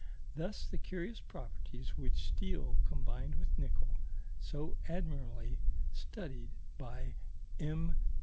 Thus the curious properties which steel combined with nickel so admirably studied by M.